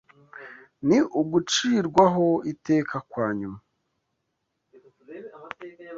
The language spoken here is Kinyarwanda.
ni ugucirwaho iteka kwa nyuma